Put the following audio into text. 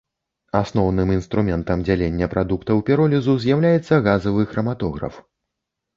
Асноўным інструментам дзялення прадуктаў піролізу з'яўляецца газавы храматограф.